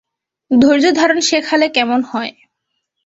ধৈর্যধারন শেখালে কেমন হয়?